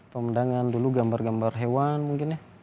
pemandangan dulu gambar gambar hewan mungkin ya